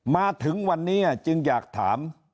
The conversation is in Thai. มาถึงวันนี้จึงอยากถาม